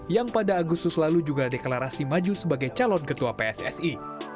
yang pada agustus lalu juga deklarasi maju sebagai calon ketua pssi